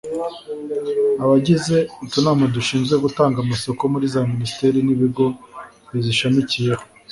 abagize utunama dushinzwe gutanga amasoko muri za minisiteri n'ibigo bizishamikiyeho